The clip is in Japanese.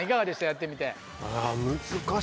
やってみて。